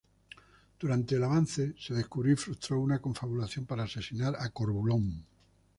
Durante el avance, se descubrió y frustró una confabulación para asesinar a Corbulón.